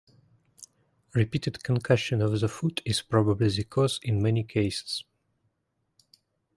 Repeated concussion of the foot is probably the cause in many cases.